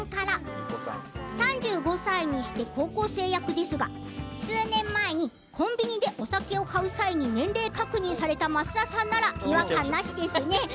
３５歳にして高校生役ですが数年前にコンビニでお酒を買う際に年齢確認された増田さんなら違和感なしですね。